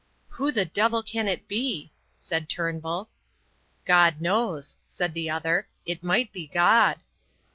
"Who the devil can that be?" said Turnbull. "God knows," said the other. "It might be God."